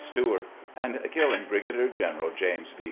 Stuart, and killing Brigadier general James B.